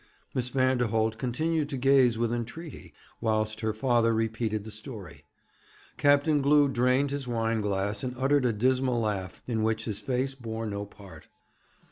Miss Vanderholt continued to gaze with entreaty, whilst her father repeated the story. Captain Glew drained his wine glass, and uttered a dismal laugh, in which his face bore no part.